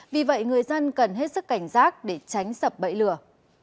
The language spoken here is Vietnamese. vì vậy người dân cần hết sức cảnh giác để tránh sập bẫy lừa